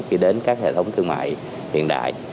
khi đến các hệ thống thương mại hiện đại